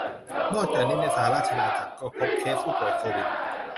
นอกจากนี้ในสหราชอาณาจักรก็พบเคสผู้ป่วยโควิด